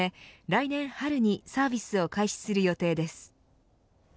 来年春にサービスを開始する予定です。